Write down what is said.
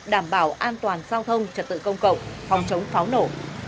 đảm bảo an toàn giao thông trật tự công cộng phòng chống pháo nổ